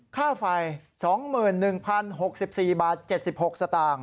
ค่าไฟ๒๑๐๖๔บาท๗๖สตางค์